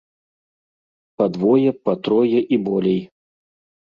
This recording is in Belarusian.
Па двое, па трое і болей.